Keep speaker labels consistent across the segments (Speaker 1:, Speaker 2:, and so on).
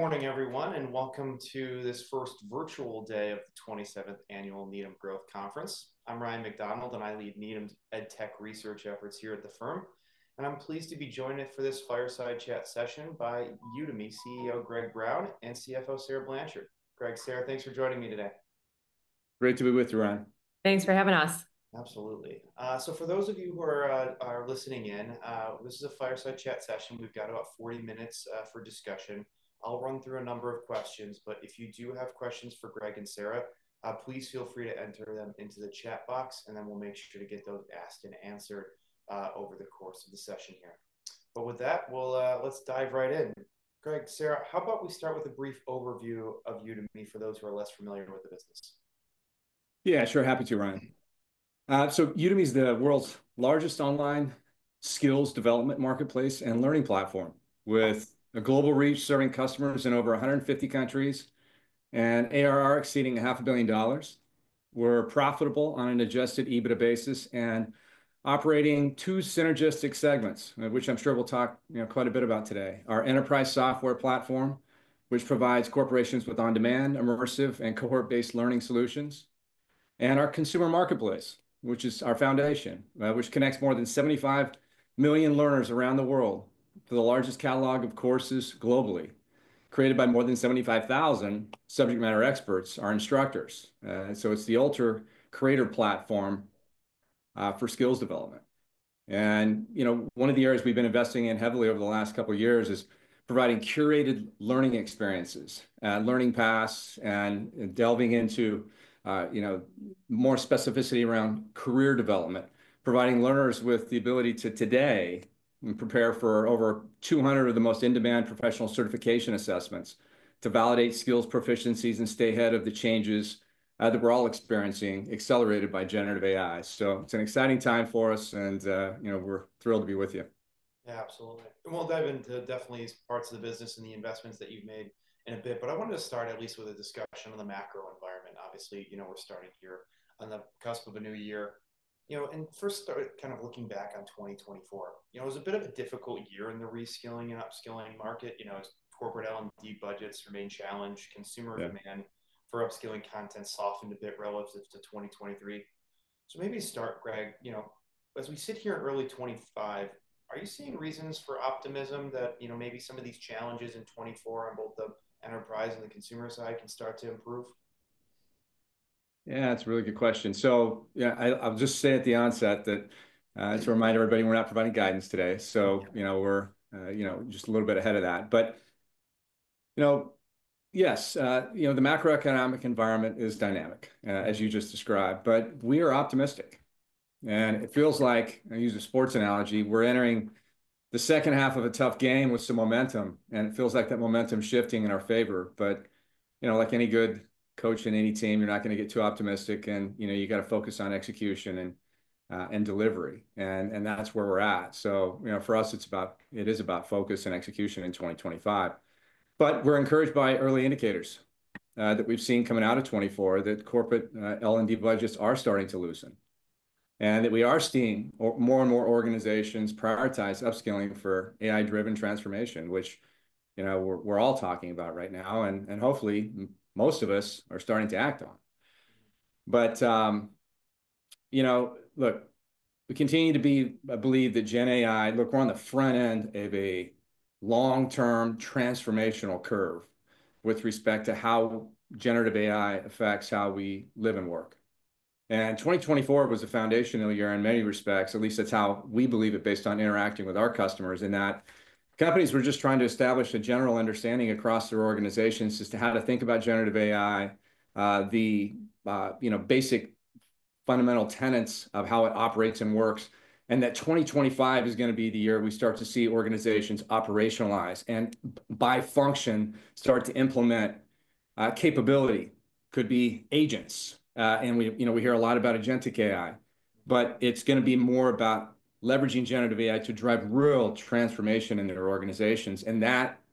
Speaker 1: Good morning, everyone, and welcome to this first virtual day of the 27th Annual Needham Growth Conference. I'm Ryan MacDonald, and I lead Needham's EdTech research efforts here at the firm. I'm pleased to be joined for this Fireside Chat session by Udemy CEO Greg Brown and CFO Sarah Blanchard. Greg, Sarah, thanks for joining me today.
Speaker 2: Great to be with you, Ryan.
Speaker 3: Thanks for having us.
Speaker 1: Absolutely. So for those of you who are listening in, this is a Fireside Chat session. We've got about 40 minutes for discussion. I'll run through a number of questions, but if you do have questions for Greg and Sarah, please feel free to enter them into the chat box, and then we'll make sure to get those asked and answered over the course of the session here. But with that, let's dive right in. Greg, Sarah, how about we start with a brief overview of Udemy for those who are less familiar with the business?
Speaker 2: Yeah, sure. Happy to, Ryan. So Udemy is the world's largest online skills development marketplace and learning platform with a global reach, serving customers in over 150 countries and ARR exceeding $500 million. We're profitable on an Adjusted EBITDA basis and operating two synergistic segments, which I'm sure we'll talk quite a bit about today: our enterprise software platform, which provides corporations with on-demand, immersive, and cohort-based learning solutions, and our consumer marketplace, which is our foundation, which connects more than 75 million learners around the world to the largest catalog of courses globally, created by more than 75,000 subject matter experts, our instructors. So it's the ultra-creator platform for skills development. And one of the areas we've been investing in heavily over the last couple of years is providing curated learning experiences, learning paths, and delving into more specificity around career development, providing learners with the ability to today prepare for over 200 of the most in-demand professional certification assessments to validate skills proficiencies and stay ahead of the changes that we're all experiencing, accelerated by generative AI. So it's an exciting time for us, and we're thrilled to be with you.
Speaker 1: Yeah, absolutely. And we'll dive into definitely parts of the business and the investments that you've made in a bit. But I wanted to start at least with a discussion on the macro environment. Obviously, we're starting here on the cusp of a new year. And first, kind of looking back on 2024, it was a bit of a difficult year in the reskilling and upskilling market. Corporate L&D budgets remain challenged. Consumer demand for upskilling content softened a bit relative to 2023. So maybe start, Greg, as we sit here in early 2025, are you seeing reasons for optimism that maybe some of these challenges in 2024 on both the enterprise and the consumer side can start to improve?
Speaker 2: Yeah, that's a really good question. So I'll just say at the onset that to remind everybody, we're not providing guidance today. So we're just a little bit ahead of that. But yes, the macroeconomic environment is dynamic, as you just described. But we are optimistic. And it feels like, I'll use a sports analogy, we're entering the second half of a tough game with some momentum. And it feels like that momentum is shifting in our favor. But like any good coach in any team, you're not going to get too optimistic. And you've got to focus on execution and delivery. And that's where we're at. So for us, it is about focus and execution in 2025. But we're encouraged by early indicators that we've seen coming out of 2024 that corporate L&D budgets are starting to loosen and that we are seeing more and more organizations prioritize upskilling for AI-driven transformation, which we're all talking about right now and hopefully most of us are starting to act on. But look, we continue to be, I believe, the Gen AI. Look, we're on the front end of a long-term transformational curve with respect to how generative AI affects how we live and work. And 2024 was a foundational year in many respects. At least that's how we believe it based on interacting with our customers in that companies were just trying to establish a general understanding across their organizations as to how to think about generative AI, the basic fundamental tenets of how it operates and works, and that 2025 is going to be the year we start to see organizations operationalize and by function start to implement capability, could be agents, and we hear a lot about agentic AI, but it's going to be more about leveraging generative AI to drive real transformation in their organizations, and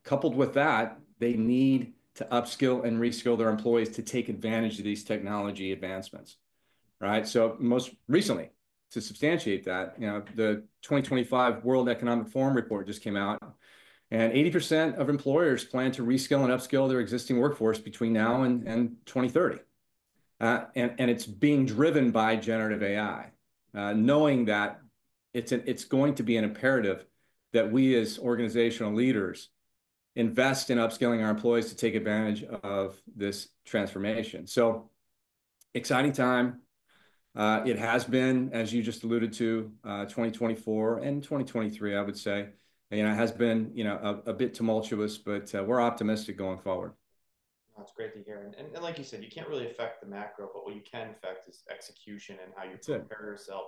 Speaker 2: coupled with that, they need to upskill and reskill their employees to take advantage of these technology advancements, so most recently, to substantiate that, the 2025 World Economic Forum report just came out, and 80% of employers plan to reskill and upskill their existing workforce between now and 2030. And it's being driven by generative AI, knowing that it's going to be an imperative that we as organizational leaders invest in upskilling our employees to take advantage of this transformation. So exciting time. It has been, as you just alluded to, 2024 and 2023, I would say. It has been a bit tumultuous, but we're optimistic going forward.
Speaker 1: That's great to hear. And like you said, you can't really affect the macro, but what you can affect is execution and how you prepare yourself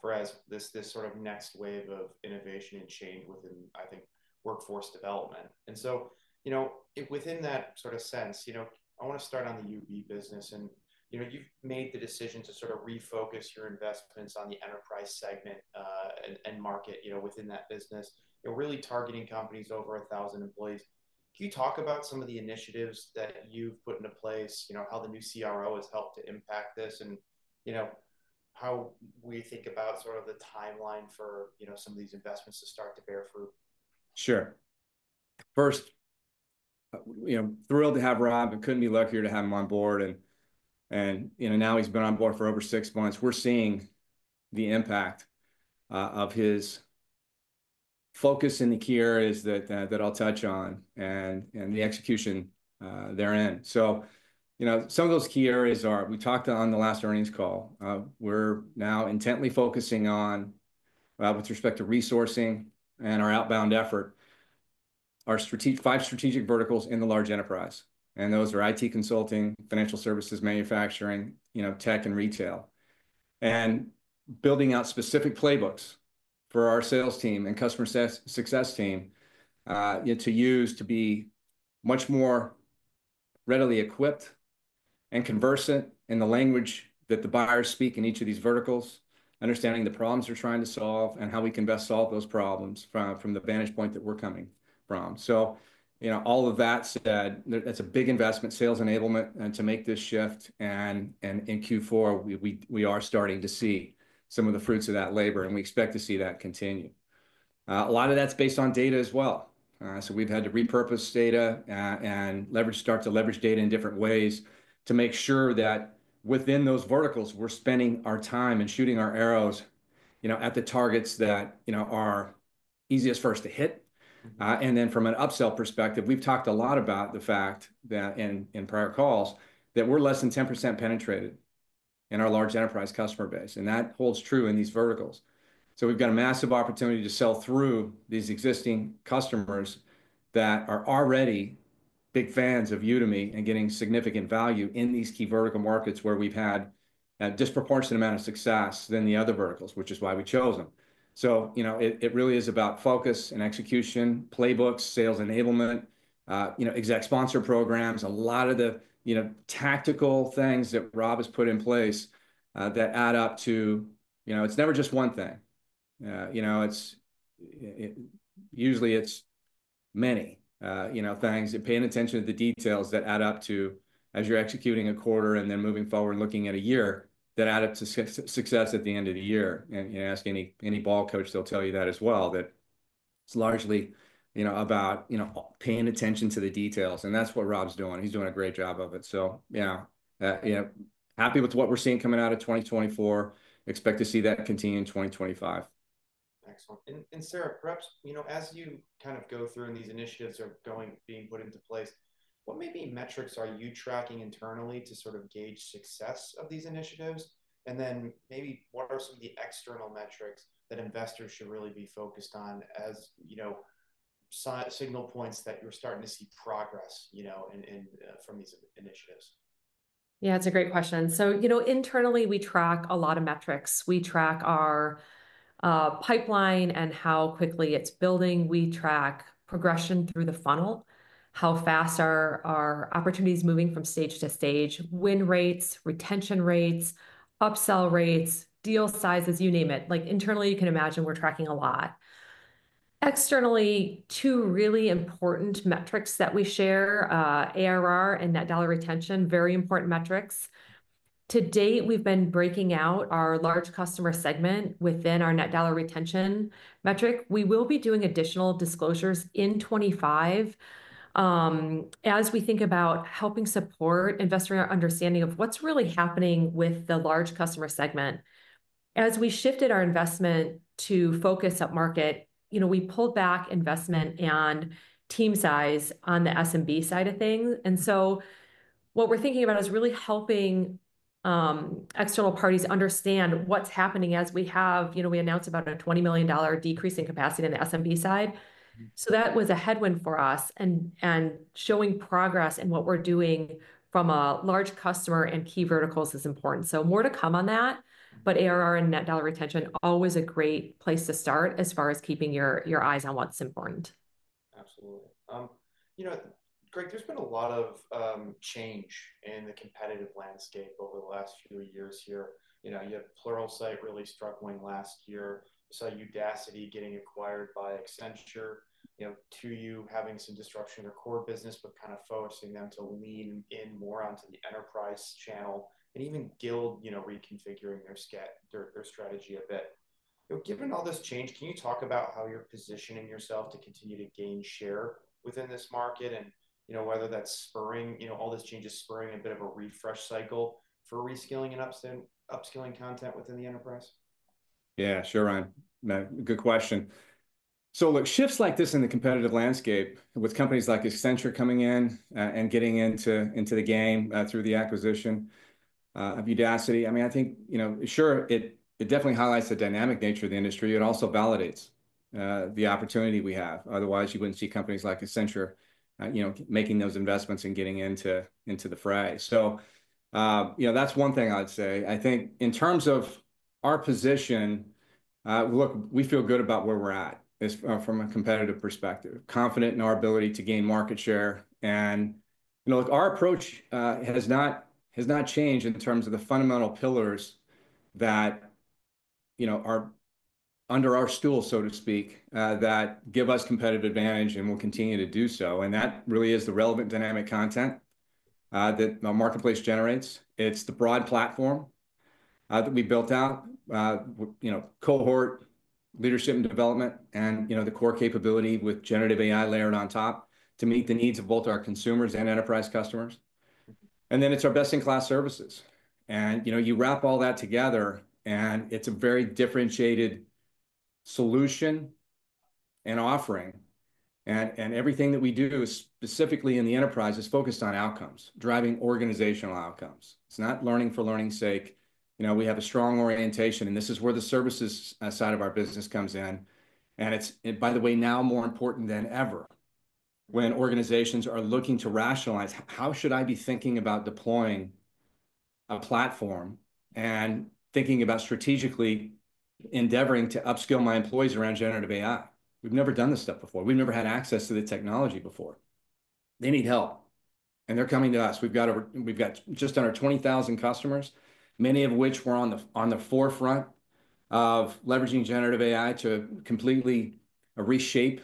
Speaker 1: for this sort of next wave of innovation and change within, I think, workforce development. And so within that sort of sense, I want to start on the Udemy business. And you've made the decision to sort of refocus your investments on the enterprise segment and market within that business, really targeting companies over 1,000 employees. Can you talk about some of the initiatives that you've put into place, how the new CRO has helped to impact this, and how we think about sort of the timeline for some of these investments to start to bear fruit?
Speaker 2: Sure. First, I'm thrilled to have Rob. I couldn't be luckier to have him on board. And now he's been on board for over six months. We're seeing the impact of his focus in the key areas that I'll touch on and the execution therein. So some of those key areas are we talked on the last earnings call. We're now intently focusing on, with respect to resourcing and our outbound effort, our five strategic verticals in the large enterprise. And those are IT consulting, financial services, manufacturing, tech, and retail. And building out specific playbooks for our sales team and customer success team to use to be much more readily equipped and conversant in the language that the buyers speak in each of these verticals, understanding the problems they're trying to solve and how we can best solve those problems from the vantage point that we're coming from. So all of that said, that's a big investment, sales enablement, and to make this shift. In Q4, we are starting to see some of the fruits of that labor, and we expect to see that continue. A lot of that's based on data as well, so we've had to repurpose data and start to leverage data in different ways to make sure that within those verticals, we're spending our time and shooting our arrows at the targets that are easiest first to hit. Then from an upsell perspective, we've talked a lot about the fact that in prior calls that we're less than 10% penetrated in our large enterprise customer base, and that holds true in these verticals. So we've got a massive opportunity to sell through these existing customers that are already big fans of Udemy and getting significant value in these key vertical markets where we've had a disproportionate amount of success than the other verticals, which is why we chose them. So it really is about focus and execution, playbooks, sales enablement, exec sponsor programs, a lot of the tactical things that Rob has put in place that add up to it's never just one thing. Usually, it's many things and paying attention to the details that add up to, as you're executing a quarter and then moving forward, looking at a year that add up to success at the end of the year. And ask any ball coach, they'll tell you that as well, that it's largely about paying attention to the details. And that's what Rob's doing. He's doing a great job of it. So yeah, happy with what we're seeing coming out of 2024. Expect to see that continue in 2025.
Speaker 1: Excellent. And Sarah, perhaps as you kind of go through and these initiatives are being put into place, what maybe metrics are you tracking internally to sort of gauge success of these initiatives? And then maybe what are some of the external metrics that investors should really be focused on as signal points that you're starting to see progress from these initiatives?
Speaker 3: Yeah, that's a great question. So internally, we track a lot of metrics. We track our pipeline and how quickly it's building. We track progression through the funnel, how fast are our opportunities moving from stage to stage, win rates, retention rates, upsell rates, deal sizes, you name it. Internally, you can imagine we're tracking a lot. Externally, two really important metrics that we share, ARR and Net Dollar Retention, very important metrics. To date, we've been breaking out our large customer segment within our Net Dollar Retention metric. We will be doing additional disclosures in 2025 as we think about helping support investors' understanding of what's really happening with the large customer segment. As we shifted our investment to focus up market, we pulled back investment and team size on the SMB side of things. And so what we're thinking about is really helping external parties understand what's happening as we announced about a $20 million decrease in capacity on the SMB side. So that was a headwind for us. And showing progress in what we're doing from a large customer and key verticals is important. So more to come on that. But ARR and net dollar retention, always a great place to start as far as keeping your eyes on what's important.
Speaker 1: Absolutely. Greg, there's been a lot of change in the competitive landscape over the last few years here. You had Pluralsight really struggling last year. You saw Udacity getting acquired by Accenture too, you having some disruption in your core business, but kind of forcing them to lean in more onto the enterprise channel and even Guild reconfiguring their strategy a bit. Given all this change, can you talk about how you're positioning yourself to continue to gain share within this market and whether that's spurring a bit of a refresh cycle for reskilling and upskilling content within the enterprise?
Speaker 2: Yeah, sure, Ryan. Good question. So look, shifts like this in the competitive landscape with companies like Accenture coming in and getting into the game through the acquisition of Udacity, I mean, I think, sure, it definitely highlights the dynamic nature of the industry. It also validates the opportunity we have. Otherwise, you wouldn't see companies like Accenture making those investments and getting into the fray. So that's one thing I'd say. I think in terms of our position, look, we feel good about where we're at from a competitive perspective, confident in our ability to gain market share. And look, our approach has not changed in terms of the fundamental pillars that are under our stool, so to speak, that give us competitive advantage and will continue to do so. And that really is the relevant dynamic content that our marketplace generates. It's the broad platform that we built out, cohort leadership and development, and the core capability with generative AI layered on top to meet the needs of both our consumers and enterprise customers. And then it's our best-in-class services. And you wrap all that together, and it's a very differentiated solution and offering. And everything that we do specifically in the enterprise is focused on outcomes, driving organizational outcomes. It's not learning for learning's sake. We have a strong orientation, and this is where the services side of our business comes in. And it's, by the way, now more important than ever when organizations are looking to rationalize, how should I be thinking about deploying a platform and thinking about strategically endeavoring to upskill my employees around generative AI? We've never done this stuff before. We've never had access to the technology before. They need help. They're coming to us. We've got just under 20,000 customers, many of which we're on the forefront of leveraging generative AI to completely reshape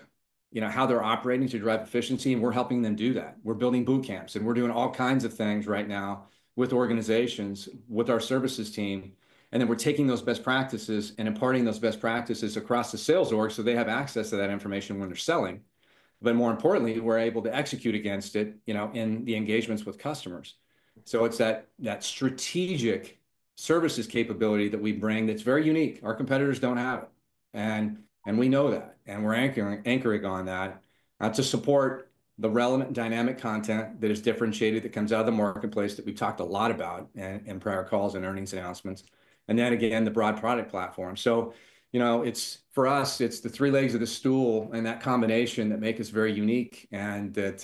Speaker 2: how they're operating to drive efficiency. We're helping them do that. We're building boot camps, and we're doing all kinds of things right now with organizations, with our services team. Then we're taking those best practices and imparting those best practices across the sales org so they have access to that information when they're selling. But more importantly, we're able to execute against it in the engagements with customers. It's that strategic services capability that we bring that's very unique. Our competitors don't have it. We know that. We're anchoring on that to support the relevant dynamic content that is differentiated that comes out of the marketplace that we've talked a lot about in prior calls and earnings announcements. And then again, the broad product platform. So for us, it's the three legs of the stool and that combination that make us very unique and that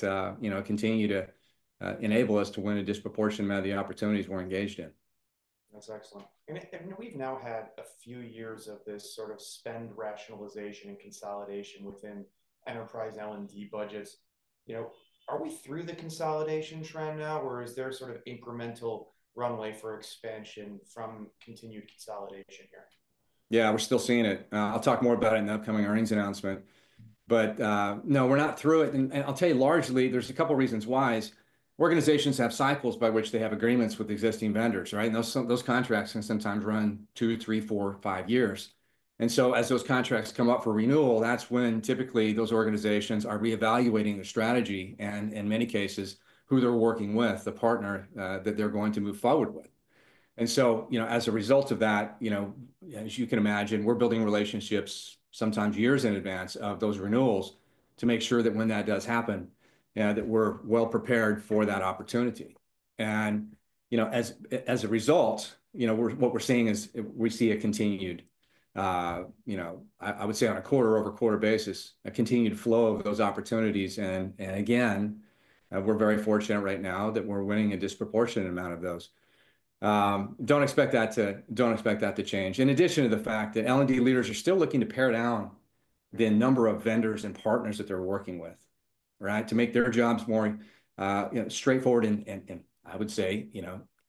Speaker 2: continue to enable us to win a disproportionate amount of the opportunities we're engaged in.
Speaker 1: That's excellent. And we've now had a few years of this sort of spend rationalization and consolidation within enterprise L&D budgets. Are we through the consolidation trend now, or is there sort of incremental runway for expansion from continued consolidation here?
Speaker 2: Yeah, we're still seeing it. I'll talk more about it in the upcoming earnings announcement. But no, we're not through it. And I'll tell you largely, there's a couple of reasons why. Organizations have cycles by which they have agreements with existing vendors, right? And those contracts can sometimes run two, three, four, five years. And so as those contracts come up for renewal, that's when typically those organizations are reevaluating their strategy and in many cases, who they're working with, the partner that they're going to move forward with. And so as a result of that, as you can imagine, we're building relationships sometimes years in advance of those renewals to make sure that when that does happen, that we're well prepared for that opportunity. As a result, what we're seeing is we see a continued, I would say on a quarter-over-quarter basis, a continued flow of those opportunities. Again, we're very fortunate right now that we're winning a disproportionate amount of those. Don't expect that to change. In addition to the fact that L&D leaders are still looking to pare down the number of vendors and partners that they're working with, right, to make their jobs more straightforward and, I would say,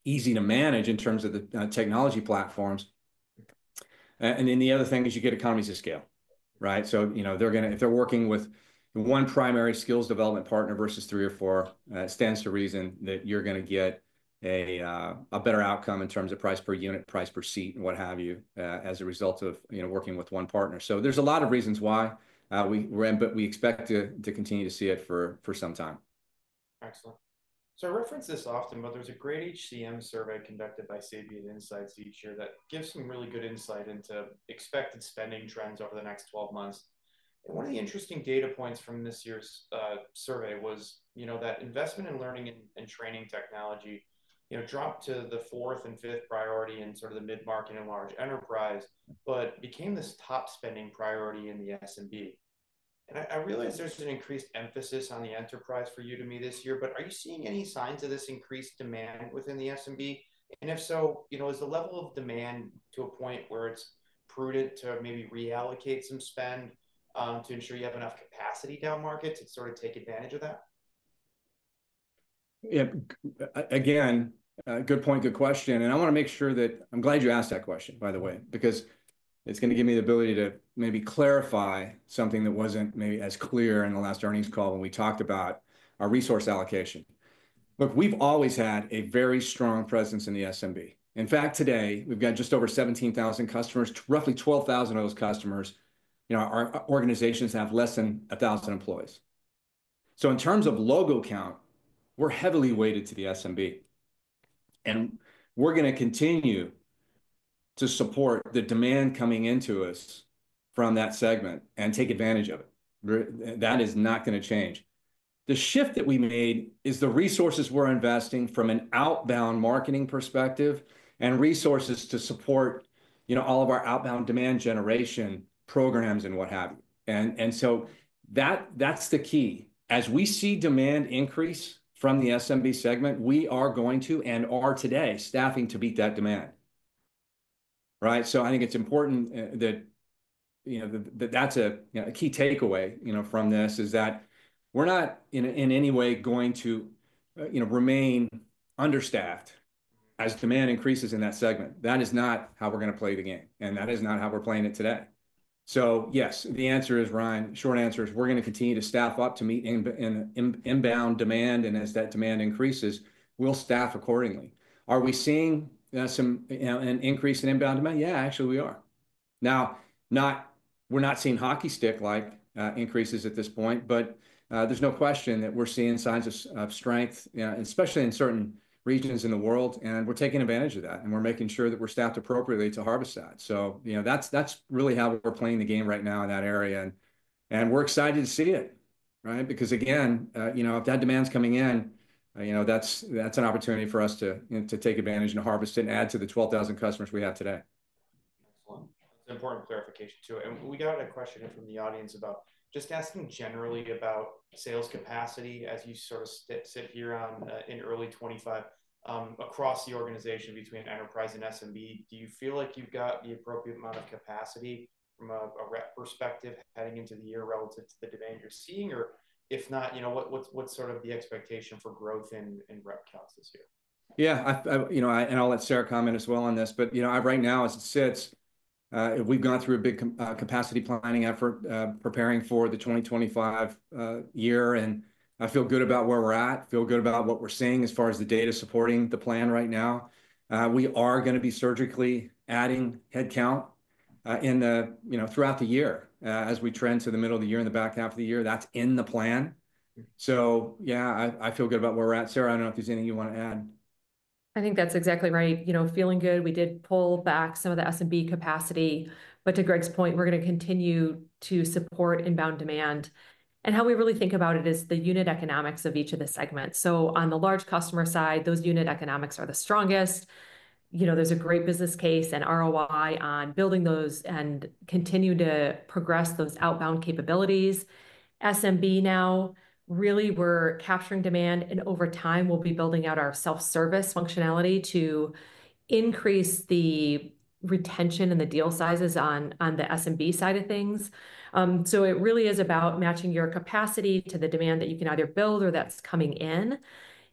Speaker 2: easy to manage in terms of the technology platforms. The other thing is you get economies of scale, right? If they're working with one primary skills development partner versus three or four, it stands to reason that you're going to get a better outcome in terms of price per unit, price per seat, and what have you as a result of working with one partner. There's a lot of reasons why, but we expect to continue to see it for some time.
Speaker 1: Excellent. So I reference this often, but there's a great HCM survey conducted by Sapient Insights each year that gives some really good insight into expected spending trends over the next 12 months. And one of the interesting data points from this year's survey was that investment in learning and training technology dropped to the fourth and fifth priority in sort of the mid-market and large enterprise, but became this top spending priority in the SMB. And I realize there's an increased emphasis on the enterprise for Udemy this year, but are you seeing any signs of this increased demand within the SMB? And if so, is the level of demand to a point where it's prudent to maybe reallocate some spend to ensure you have enough capacity down market to sort of take advantage of that?
Speaker 2: Yeah. Again, good point, good question. And I want to make sure that I'm glad you asked that question, by the way, because it's going to give me the ability to maybe clarify something that wasn't maybe as clear in the last earnings call when we talked about our resource allocation. Look, we've always had a very strong presence in the SMB. In fact, today, we've got just over 17,000 customers, roughly 12,000 of those customers. Our organizations have less than 1,000 employees. So in terms of logo count, we're heavily weighted to the SMB. And we're going to continue to support the demand coming into us from that segment and take advantage of it. That is not going to change. The shift that we made is the resources we're investing from an outbound marketing perspective and resources to support all of our outbound demand generation programs and what have you. And so that's the key. As we see demand increase from the SMB segment, we are going to and are today staffing to beat that demand, right? So I think it's important that that's a key takeaway from this is that we're not in any way going to remain understaffed as demand increases in that segment. That is not how we're going to play the game. And that is not how we're playing it today. So yes, the answer is, Ryan, short answer is we're going to continue to staff up to meet inbound demand. And as that demand increases, we'll staff accordingly. Are we seeing an increase in inbound demand? Yeah, actually, we are. Now, we're not seeing hockey stick-like increases at this point, but there's no question that we're seeing signs of strength, especially in certain regions in the world. And we're taking advantage of that. And we're making sure that we're staffed appropriately to harvest that. So that's really how we're playing the game right now in that area. And we're excited to see it, right? Because again, if that demand's coming in, that's an opportunity for us to take advantage and harvest it and add to the 12,000 customers we have today.
Speaker 1: Excellent. That's an important clarification too. We got a question from the audience about just asking generally about sales capacity as you sort of sit here in early 2025 across the organization between enterprise and SMB. Do you feel like you've got the appropriate amount of capacity from a rep perspective heading into the year relative to the demand you're seeing? Or if not, what's sort of the expectation for growth in rep counts this year?
Speaker 2: Yeah, and I'll let Sarah comment as well on this. But right now, as it sits, we've gone through a big capacity planning effort preparing for the 2025 year, and I feel good about where we're at. I feel good about what we're seeing as far as the data supporting the plan right now. We are going to be surgically adding headcount throughout the year as we trend to the middle of the year and the back half of the year. That's in the plan, so yeah, I feel good about where we're at. Sarah, I don't know if there's anything you want to add.
Speaker 3: I think that's exactly right. Feeling good. We did pull back some of the SMB capacity. But to Greg's point, we're going to continue to support inbound demand. And how we really think about it is the unit economics of each of the segments. So on the large customer side, those unit economics are the strongest. There's a great business case and ROI on building those and continue to progress those outbound capabilities. SMB now, really, we're capturing demand. And over time, we'll be building out our self-service functionality to increase the retention and the deal sizes on the SMB side of things. So it really is about matching your capacity to the demand that you can either build or that's coming in.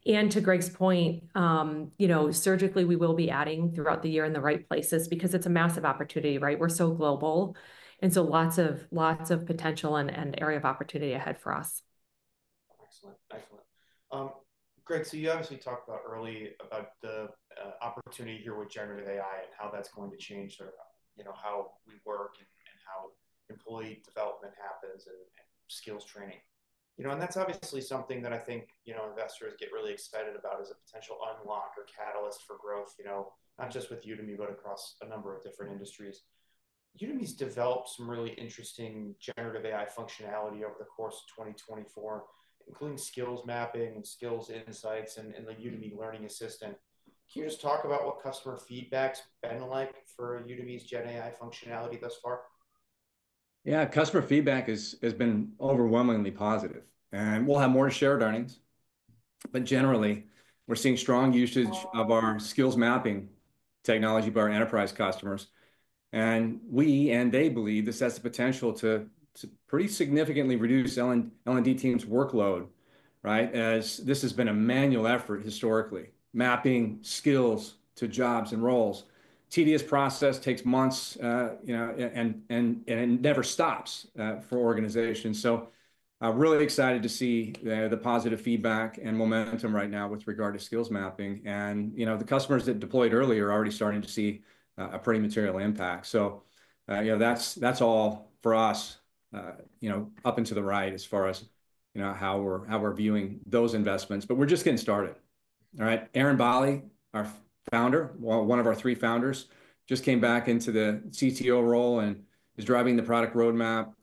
Speaker 3: And to Greg's point, surgically, we will be adding throughout the year in the right places because it's a massive opportunity, right? We're so global. Lots of potential and area of opportunity ahead for us.
Speaker 1: Excellent. Excellent. Greg, so you obviously talked earlier about the opportunity here with generative AI and how that's going to change sort of how we work and how employee development happens and skills training, and that's obviously something that I think investors get really excited about as a potential unlock or catalyst for growth, not just with Udemy, but across a number of different industries. Udemy's developed some really interesting generative AI functionality over the course of 2024, including Skills Mapping and Skills Insights and the Udemy Learning Assistant. Can you just talk about what customer feedback's been like for Udemy's Gen AI functionality thus far?
Speaker 2: Yeah. Customer feedback has been overwhelmingly positive. And we'll have more to share at earnings. But generally, we're seeing strong usage of our Skills Mapping technology by our enterprise customers. And we and they believe this has the potential to pretty significantly reduce L&D teams' workload, right, as this has been a manual effort historically, mapping skills to jobs and roles. Tedious process takes months and it never stops for organizations. So really excited to see the positive feedback and momentum right now with regard to Skills Mapping. And the customers that deployed earlier are already starting to see a pretty material impact. So that's all for us up and to the right as far as how we're viewing those investments. But we're just getting started, all right? Eren Bali, our founder, one of our three founders, just came back into the CTO role and is driving the product roadmap.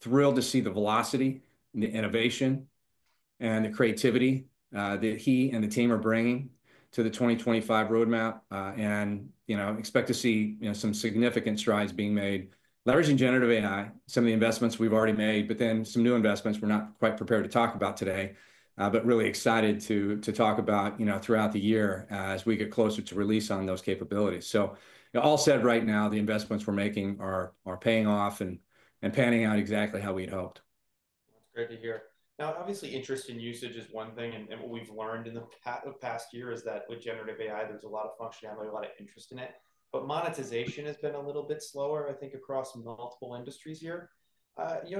Speaker 2: Thrilled to see the velocity, the innovation, and the creativity that he and the team are bringing to the 2025 roadmap. Expect to see some significant strides being made. Leveraging generative AI, some of the investments we've already made, but then some new investments we're not quite prepared to talk about today, but really excited to talk about throughout the year as we get closer to release on those capabilities. All said right now, the investments we're making are paying off and panning out exactly how we'd hoped.
Speaker 1: That's great to hear. Now, obviously, interest in usage is one thing. And what we've learned in the past year is that with generative AI, there's a lot of functionality, a lot of interest in it. But monetization has been a little bit slower, I think, across multiple industries here.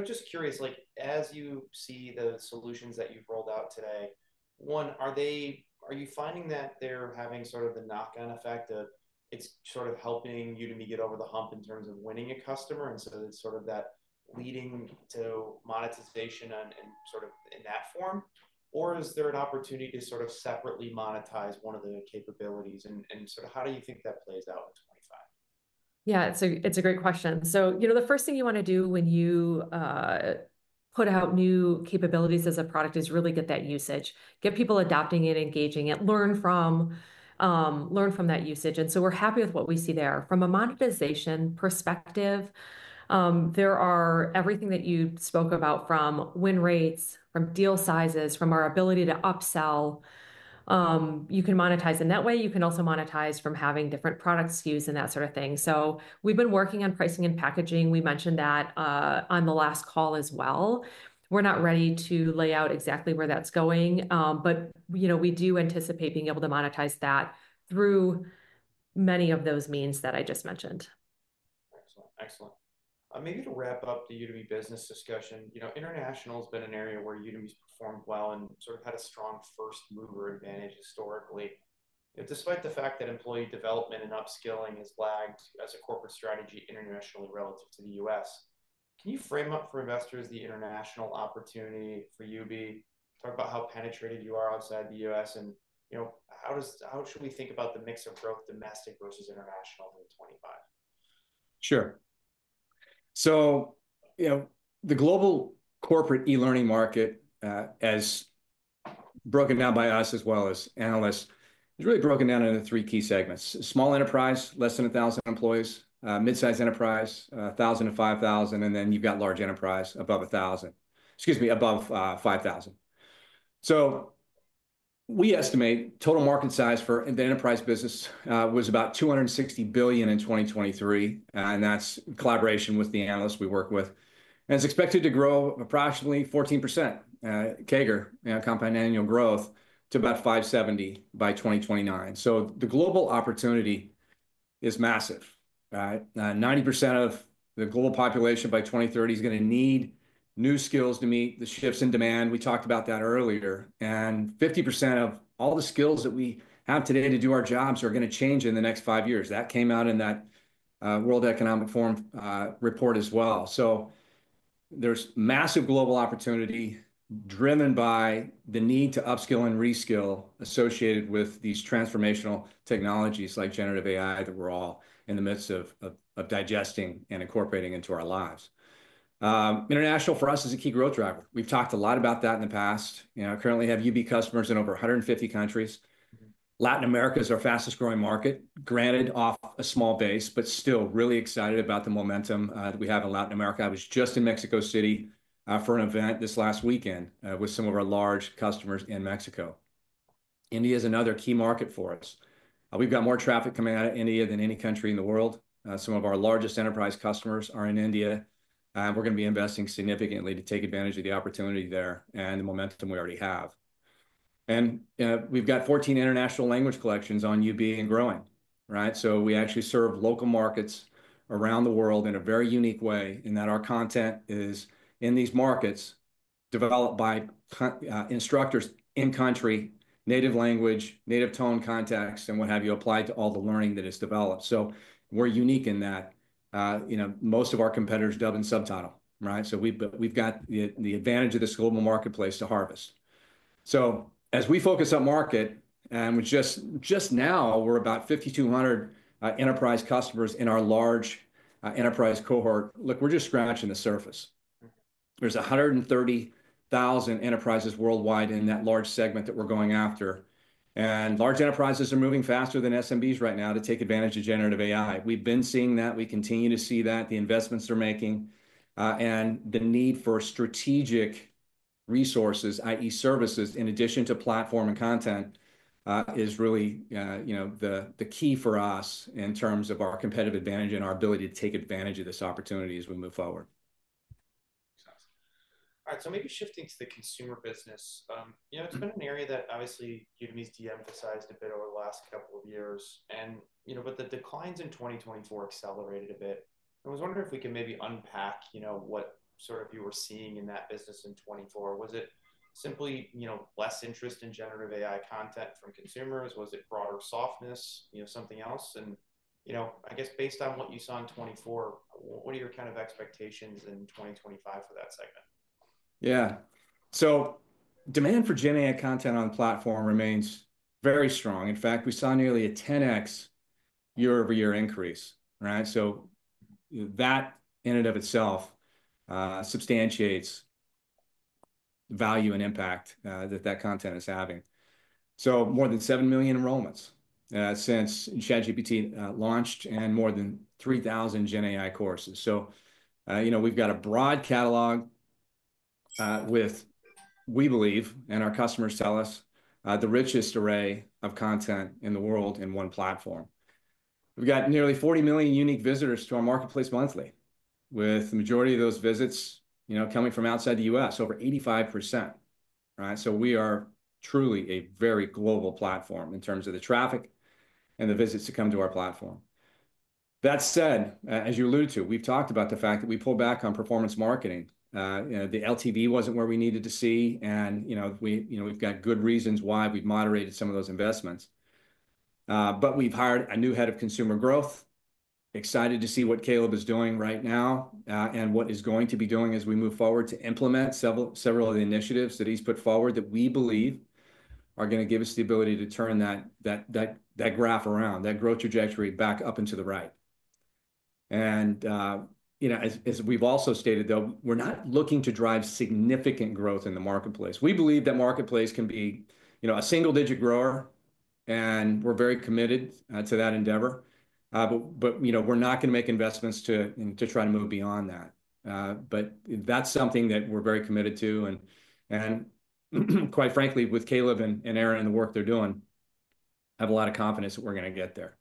Speaker 1: Just curious, as you see the solutions that you've rolled out today, one, are you finding that they're having sort of the knock-on effect of it's sort of helping Udemy get over the hump in terms of winning a customer? And so it's sort of that leading to monetization in that form? Or is there an opportunity to sort of separately monetize one of the capabilities? And sort of how do you think that plays out in 2025?
Speaker 3: Yeah, it's a great question. So the first thing you want to do when you put out new capabilities as a product is really get that usage, get people adopting it, engaging it, learn from that usage. And so we're happy with what we see there. From a monetization perspective, there are everything that you spoke about from win rates, from deal sizes, from our ability to upsell. You can monetize in that way. You can also monetize from having different product SKUs and that sort of thing. So we've been working on pricing and packaging. We mentioned that on the last call as well. We're not ready to lay out exactly where that's going. But we do anticipate being able to monetize that through many of those means that I just mentioned.
Speaker 1: Excellent. Excellent. Maybe to wrap up the Udemy business discussion, international has been an area where Udemy's performed well and sort of had a strong first mover advantage historically. Despite the fact that employee development and upskilling has lagged as a corporate strategy internationally relative to the U.S., can you frame up for investors the international opportunity for Udemy? Talk about how penetrated you are outside the U.S. and how should we think about the mix of growth, domestic versus international in 2025?
Speaker 2: Sure. So the global corporate e-learning market, as broken down by us as well as analysts, is really broken down into three key segments: small enterprise, less than 1,000 employees; midsize enterprise, 1,000 to 5,000; and then you've got large enterprise above 1,000, excuse me, above 5,000. So we estimate total market size for the enterprise business was about $260 billion in 2023. And that's collaboration with the analysts we work with. And it's expected to grow approximately 14% CAGR, compound annual growth, to about $570 billion by 2029. So the global opportunity is massive. 90% of the global population by 2030 is going to need new skills to meet the shifts in demand. We talked about that earlier. And 50% of all the skills that we have today to do our jobs are going to change in the next five years. That came out in that World Economic Forum report as well. So there's massive global opportunity driven by the need to upskill and reskill associated with these transformational technologies like generative AI that we're all in the midst of digesting and incorporating into our lives. International for us is a key growth driver. We've talked a lot about that in the past. Currently, we have Udemy customers in over 150 countries. Latin America is our fastest growing market, granted off a small base, but still really excited about the momentum that we have in Latin America. I was just in Mexico City for an event this last weekend with some of our large customers in Mexico. India is another key market for us. We've got more traffic coming out of India than any country in the world. Some of our largest enterprise customers are in India. And we're going to be investing significantly to take advantage of the opportunity there and the momentum we already have. And we've got 14 international language collections on Udemy and growing, right? So we actually serve local markets around the world in a very unique way in that our content is in these markets developed by instructors in country, native language, native tone context, and what have you applied to all the learning that is developed. So we're unique in that most of our competitors dub and subtitle, right? So we've got the advantage of this global marketplace to harvest. So as we focus on market, and just now we're about 5,200 enterprise customers in our large enterprise cohort, look, we're just scratching the surface. There's 130,000 enterprises worldwide in that large segment that we're going after. Large enterprises are moving faster than SMBs right now to take advantage of generative AI. We've been seeing that. We continue to see that. The investments they're making and the need for strategic resources, i.e., services in addition to platform and content is really the key for us in terms of our competitive advantage and our ability to take advantage of this opportunity as we move forward.
Speaker 1: Excellent. All right. So maybe shifting to the consumer business. It's been an area that obviously Udemy's de-emphasized a bit over the last couple of years. But the declines in 2024 accelerated a bit. I was wondering if we could maybe unpack what sort of you were seeing in that business in 2024. Was it simply less interest in generative AI content from consumers? Was it broader softness, something else, and I guess based on what you saw in 2024, what are your kind of expectations in 2025 for that segment?
Speaker 2: Yeah. So demand for Gen AI content on platform remains very strong. In fact, we saw nearly a 10x year-over-year increase, right? So that in and of itself substantiates the value and impact that that content is having. So more than 7 million enrollments since ChatGPT launched and more than 3,000 Gen AI courses. So we've got a broad catalog with, we believe, and our customers tell us, the richest array of content in the world in one platform. We've got nearly 40 million unique visitors to our marketplace monthly, with the majority of those visits coming from outside the U.S., over 85%, right? So we are truly a very global platform in terms of the traffic and the visits to come to our platform. That said, as you alluded to, we've talked about the fact that we pulled back on performance marketing. The LTV wasn't where we needed to see. And we've got good reasons why we've moderated some of those investments. But we've hired a new head of consumer growth. Excited to see what Caleb is doing right now and what he's going to be doing as we move forward to implement several of the initiatives that he's put forward that we believe are going to give us the ability to turn that graph around, that growth trajectory back up and to the right. And as we've also stated, though, we're not looking to drive significant growth in the marketplace. We believe that marketplace can be a single-digit grower. And we're very committed to that endeavor. But we're not going to make investments to try to move beyond that. But that's something that we're very committed to. Quite frankly, with Caleb and Eren and the work they're doing, I have a lot of confidence that we're going to get there.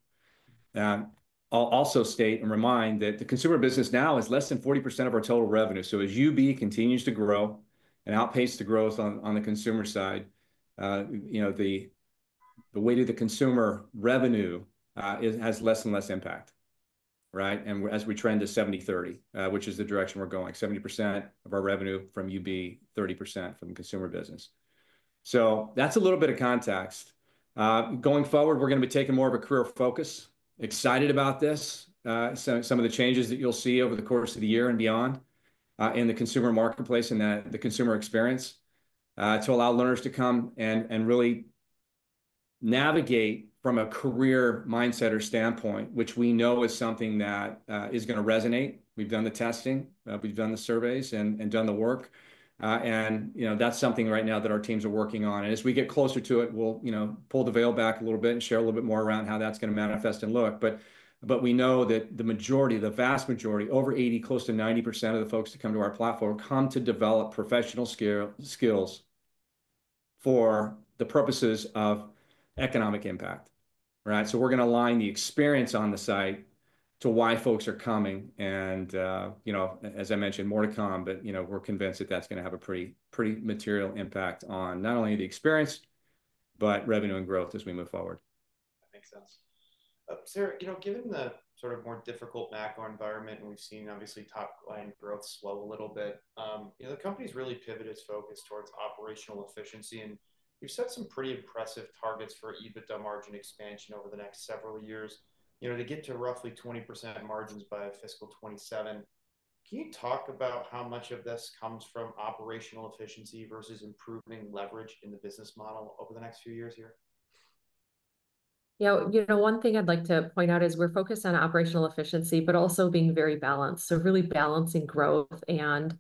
Speaker 2: I'll also state and remind that the consumer business now is less than 40% of our total revenue. So as Udemy continues to grow and outpace the growth on the consumer side, the weight of the consumer revenue has less and less impact, right? And as we trend to 70/30, which is the direction we're going, 70% of our revenue from Udemy, 30% from consumer business. So that's a little bit of context. Going forward, we're going to be taking more of a career focus. Excited about this. Some of the changes that you'll see over the course of the year and beyond in the consumer marketplace and the consumer experience to allow learners to come and really navigate from a career mindset or standpoint, which we know is something that is going to resonate. We've done the testing. We've done the surveys and done the work. And that's something right now that our teams are working on. And as we get closer to it, we'll pull the veil back a little bit and share a little bit more around how that's going to manifest and look. But we know that the majority, the vast majority, over 80%, close to 90% of the folks that come to our platform come to develop professional skills for the purposes of economic impact, right? So we're going to align the experience on the site to why folks are coming. As I mentioned, more to come. We're convinced that that's going to have a pretty material impact on not only the experience, but revenue and growth as we move forward.
Speaker 1: That makes sense. Sarah, given the sort of more difficult macro environment, and we've seen obviously top-line growth slow a little bit, the company's really pivoted its focus towards operational efficiency. And you've set some pretty impressive targets for EBITDA margin expansion over the next several years. They get to roughly 20% margins by fiscal 2027. Can you talk about how much of this comes from operational efficiency versus improving leverage in the business model over the next few years here?
Speaker 3: Yeah. One thing I'd like to point out is we're focused on operational efficiency, but also being very balanced. So really balancing growth and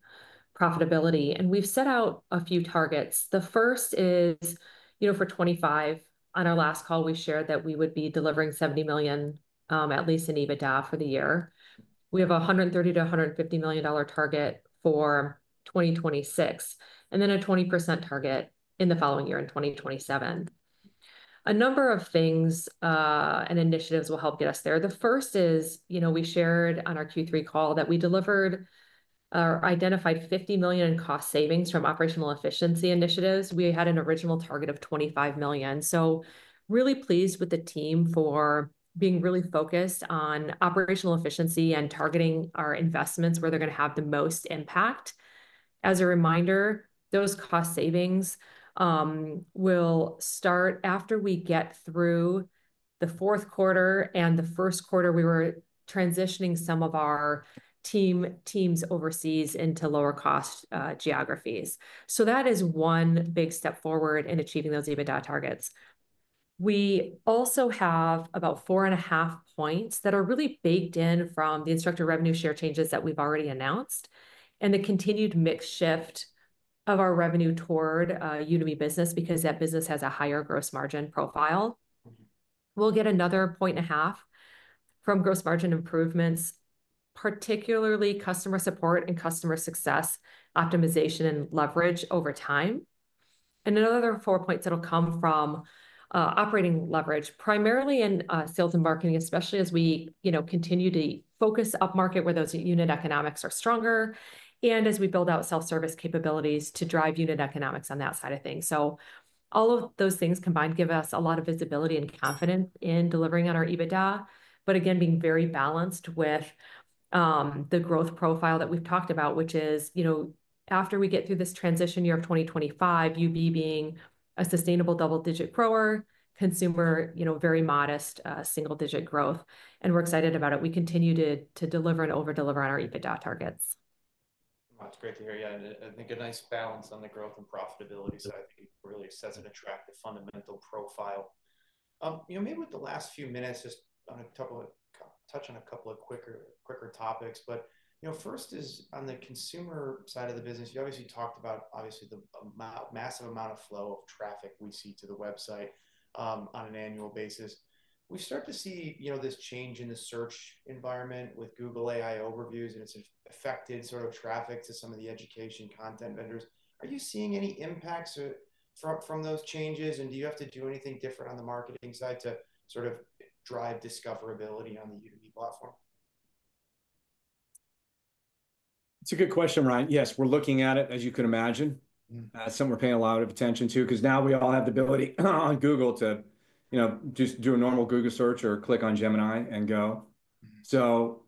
Speaker 3: profitability. And we've set out a few targets. The first is for 2025. On our last call, we shared that we would be delivering $70 million, at least in EBITDA, for the year. We have a $130-$150 million target for 2026, and then a 20% target in the following year in 2027. A number of things and initiatives will help get us there. The first is we shared on our Q3 call that we identified $50 million in cost savings from operational efficiency initiatives. We had an original target of $25 million. So really pleased with the team for being really focused on operational efficiency and targeting our investments where they're going to have the most impact. As a reminder, those cost savings will start after we get through the fourth quarter and the first quarter. We were transitioning some of our teams overseas into lower-cost geographies. So that is one big step forward in achieving those EBITDA targets. We also have about four and a half points that are really baked in from the instructor revenue share changes that we've already announced and the continued mix shift of our revenue toward Udemy Business because that business has a higher gross margin profile. We'll get another point and a half from gross margin improvements, particularly customer support and customer success optimization and leverage over time. And another four points that'll come from operating leverage, primarily in sales and marketing, especially as we continue to focus up market where those unit economics are stronger and as we build out self-service capabilities to drive unit economics on that side of things. So all of those things combined give us a lot of visibility and confidence in delivering on our EBITDA, but again, being very balanced with the growth profile that we've talked about, which is after we get through this transition year of 2025, Udemy being a sustainable double-digit grower, consumer very modest single-digit growth. And we're excited about it. We continue to deliver and overdeliver on our EBITDA targets.
Speaker 1: That's great to hear. Yeah. I think a nice balance on the growth and profitability side really sets an attractive fundamental profile. Maybe with the last few minutes, just touch on a couple of quicker topics. But first is on the consumer side of the business, you obviously talked about the massive amount of flow of traffic we see to the website on an annual basis. We start to see this change in the search environment with Google AI Overviews, and it's affected sort of traffic to some of the education content vendors. Are you seeing any impacts from those changes? And do you have to do anything different on the marketing side to sort of drive discoverability on the Udemy platform?
Speaker 2: It's a good question, Ryan. Yes, we're looking at it, as you can imagine. It's something we're paying a lot of attention to because now we all have the ability on Google to just do a normal Google search or click on Gemini and go. So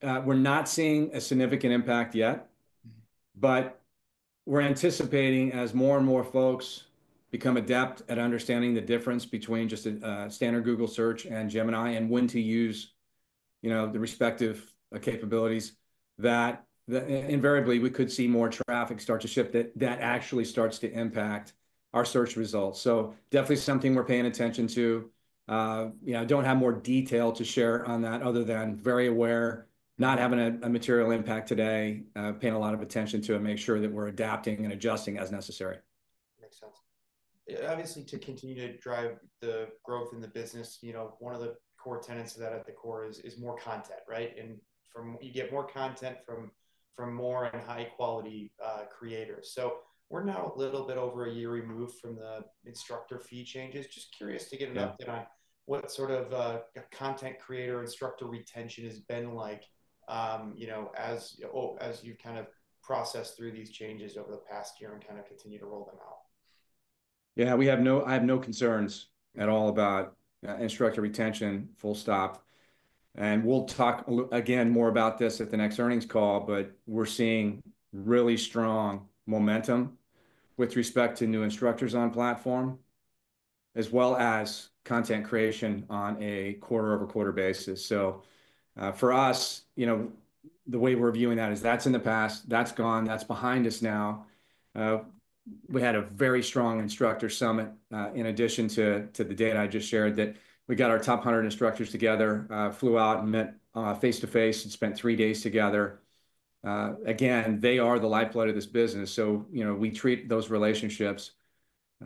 Speaker 2: we're not seeing a significant impact yet. But we're anticipating as more and more folks become adept at understanding the difference between just a standard Google search and Gemini and when to use the respective capabilities, that invariably we could see more traffic start to ship that actually starts to impact our search results. So definitely something we're paying attention to. Don't have more detail to share on that other than very aware, not having a material impact today, paying a lot of attention to it, make sure that we're adapting and adjusting as necessary.
Speaker 1: Makes sense. Obviously, to continue to drive the growth in the business, one of the core tenets of that at the core is more content, right? And you get more content from more and high-quality creators. So we're now a little bit over a year removed from the instructor fee changes. Just curious to get an update on what sort of content creator instructor retention has been like as you've kind of processed through these changes over the past year and kind of continue to roll them out.
Speaker 2: Yeah. I have no concerns at all about instructor retention. Full stop. And we'll talk again more about this at the next earnings call. But we're seeing really strong momentum with respect to new instructors on platform, as well as content creation on a quarter-over-quarter basis. So for us, the way we're viewing that is that's in the past. That's gone. That's behind us now. We had a very strong instructor summit in addition to the data I just shared that we got our top 100 instructors together, flew out and met face-to-face and spent three days together. Again, they are the lifeblood of this business. So we treat those relationships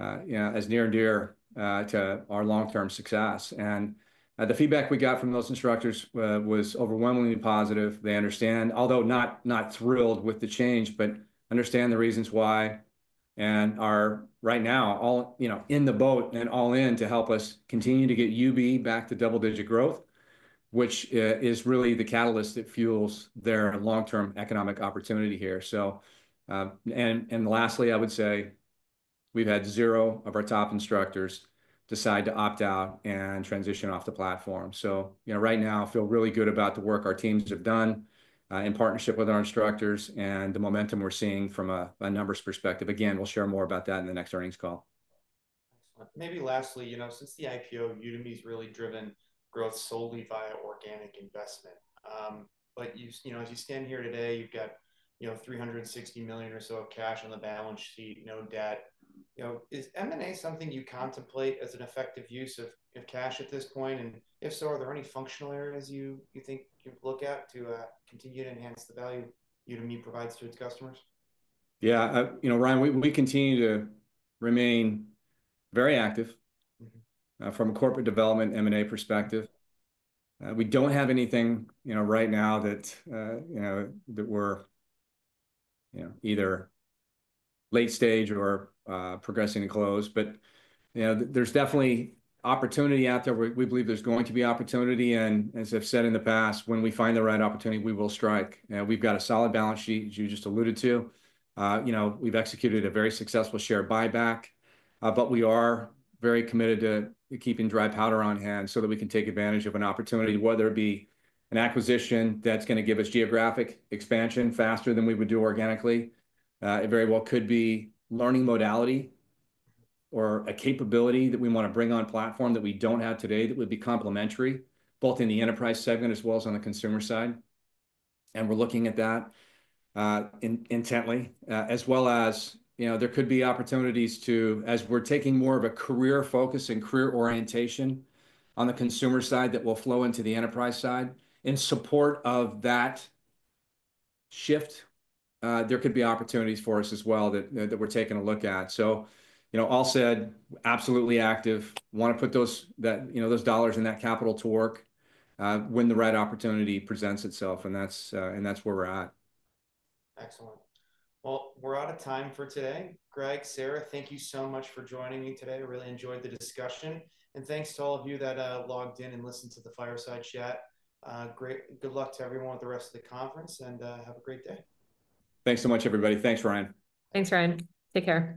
Speaker 2: as near and dear to our long-term success. And the feedback we got from those instructors was overwhelmingly positive. They understand, although not thrilled with the change, but understand the reasons why. Right now, all in the boat and all in to help us continue to get Udemy back to double-digit growth, which is really the catalyst that fuels their long-term economic opportunity here. Lastly, I would say we've had zero of our top instructors decide to opt out and transition off the platform. Right now, I feel really good about the work our teams have done in partnership with our instructors and the momentum we're seeing from a numbers perspective. Again, we'll share more about that in the next earnings call.
Speaker 1: Excellent. Maybe lastly, since the IPO, Udemy has really driven growth solely via organic investment. But as you stand here today, you've got $360 million or so of cash on the balance sheet, no debt. Is M&A something you contemplate as an effective use of cash at this point? And if so, are there any functional areas you think you look at to continue to enhance the value Udemy provides to its customers?
Speaker 2: Yeah. Ryan, we continue to remain very active from a corporate development M&A perspective. We don't have anything right now that we're either late stage or progressing and close. But there's definitely opportunity out there. We believe there's going to be opportunity. And as I've said in the past, when we find the right opportunity, we will strike. We've got a solid balance sheet, as you just alluded to. We've executed a very successful share buyback. But we are very committed to keeping dry powder on hand so that we can take advantage of an opportunity, whether it be an acquisition that's going to give us geographic expansion faster than we would do organically. It very well could be learning modality or a capability that we want to bring on platform that we don't have today that would be complementary, both in the enterprise segment as well as on the consumer side, and we're looking at that intently, as well as there could be opportunities to, as we're taking more of a career focus and career orientation on the consumer side that will flow into the enterprise side. In support of that shift, there could be opportunities for us as well that we're taking a look at, so all said, absolutely active, want to put those dollars and that capital to work when the right opportunity presents itself, and that's where we're at.
Speaker 1: Excellent. Well, we're out of time for today. Greg, Sarah, thank you so much for joining me today. I really enjoyed the discussion. And thanks to all of you that logged in and listened to the Fireside Chat. Good luck to everyone with the rest of the conference. And have a great day.
Speaker 2: Thanks so much, everybody. Thanks, Ryan.
Speaker 3: Thanks, Ryan. Take care.